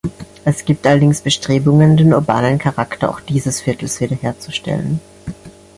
Es gibt allerdings Bestrebungen, den urbanen Charakter auch dieses Viertels wiederherzustellen.